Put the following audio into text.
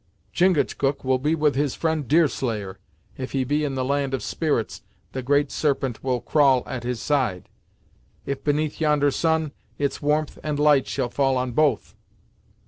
"Chingachgook will be with his friend Deerslayer if he be in the land of spirits, the Great Serpent will crawl at his side; if beneath yonder sun, its warmth and light shall fall on both."